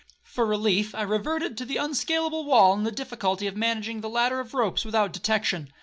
For relief I reverted to the unscaleable wall, and the difficulty of managing the ladder of ropes without detection.